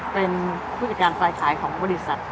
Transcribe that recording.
เป็นผู้จัดการฝ่ายขายของบริษัท